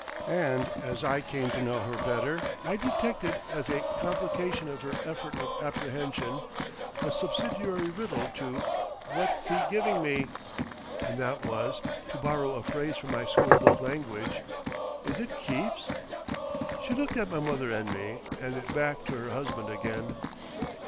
And as came to know her better I detected, as a complication of her effort of apprehension, a subsidiary riddle to "What's he giving me?" and that was—to borrow a phrase from my schoolboy language "Is it keeps?" She looked at my mother and me, and back to her husband again.